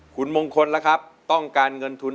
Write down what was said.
คุณมงคลล่ะครับต้องการเงินทุน